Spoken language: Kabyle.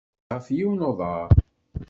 Bded ɣef yiwen uḍar.